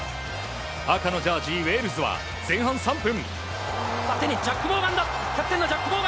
赤のジャージー、ウェールズは前半３分。